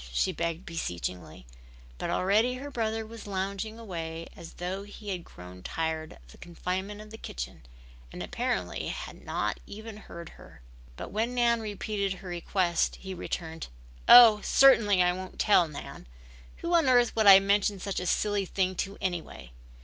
she begged beseechingly, but already her brother was lounging away as though he had grown tired of the confinement of the kitchen and apparently had not even heard her. But when Nan repeated her request he returned. "Oh, certainly I won't tell, Nan. Who on earth would I mention such a silly thing to anyway?